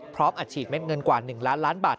อัดฉีดเม็ดเงินกว่า๑ล้านล้านบาท